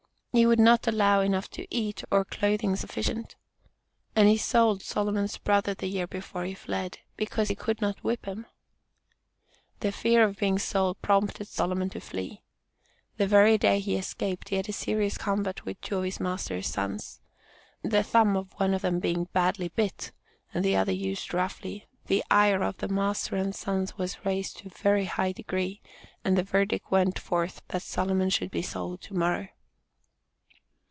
"He would not allow enough to eat, or clothing sufficient." And he sold Sol.'s brother the year before he fled, "because he could not whip him." The fear of being sold prompted Sol. to flee. The very day he escaped he had a serious combat with two of his master's sons. The thumb of one of them being "badly bit," and the other used roughly the ire of the master and sons was raised to a very high degree and the verdict went forth that "Sol. should be sold to morrow."